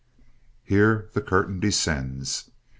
Here the curtain descends.